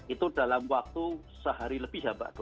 itu dalam waktu sehari lebih ya pak dua puluh tiga puluh menit